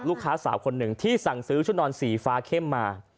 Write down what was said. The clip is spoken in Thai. สาวคนหนึ่งที่สั่งซื้อชุดนอนสีฟ้าเข้มมา